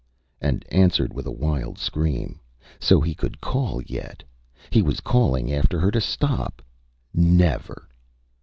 Â and answered with a wild scream. So, he could call yet! He was calling after her to stop. Never!